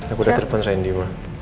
aku udah telpon ren di rumah